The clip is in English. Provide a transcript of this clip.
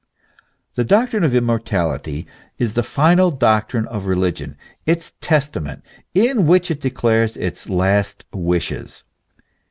The doctrine of immortality is the final doctrine of religion ; its testament, in which it declares its last wishes.